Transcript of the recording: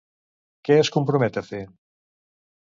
Què es compromet a fer?